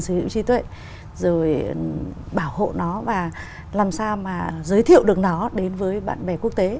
quyền sử dụng trí tuệ rồi bảo hộ nó và làm sao mà giới thiệu được nó đến với bạn bè quốc tế